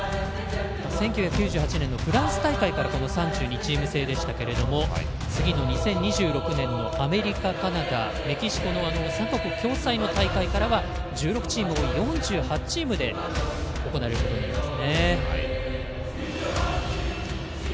１９９８年のフランス大会から３２チーム制でしたけれども次の２０２６年アメリカ、カナダメキシコの３か国共催の大会からは１６チーム多い４８チームで行われることになっています。